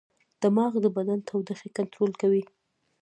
دماغ د بدن د تودوخې کنټرول کوي.